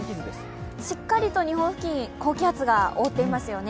しっかり日本付近、高気圧が覆っていますね。